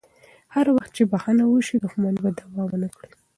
هر وخت چې بخښنه وشي، دښمني به دوام ونه کړي.